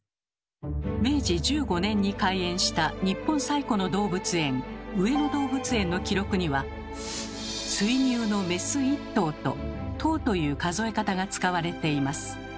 明治１５年に開園した日本最古の動物園上野動物園の記録には「水牛のメス１頭」と「頭」という数え方が使われています。